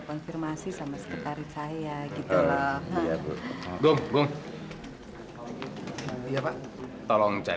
sampai jumpa di video selanjutnya